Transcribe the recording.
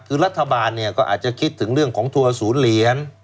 คือรัฐบาลเนี่ยก็อาจจะคิดถึงเรื่องของทัวร์ศูนย์เหรียญ